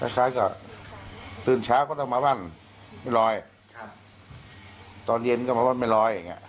คล้ายกับตื่นเช้าก็ต้องมาบ้านไม่ลอยครับตอนเย็นก็มาบ้านไม่ลอยอย่างเงี้